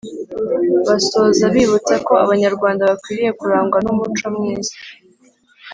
basoza bibutsa ko abanyarwanda bakwiriye kurangwa n’umuco mwiza